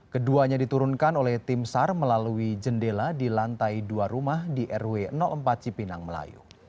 keduanya diturunkan oleh tim sar melalui jendela di lantai dua rumah di rw empat cipinang melayu